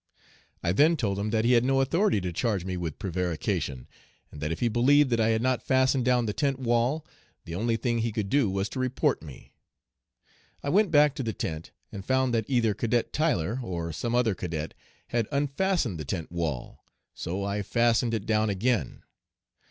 "I then told him that he had no authority to charge me with prevarication, and that if he believed that I had not fastened down the tent wall, the only thing he could do was to report me. I went back to the tent and found that either Cadet Tyler or some other cadet had unfastened the tent wall, so I fastened it down again.